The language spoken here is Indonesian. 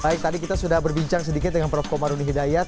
baik tadi kita sudah berbincang sedikit dengan prof komarudin hidayat